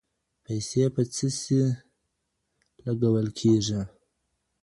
پيسي په څه سي لګول کیږي؟